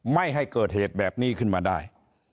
ไม่ให้เกิดเหตุแบบนี้ขึ้นมาได้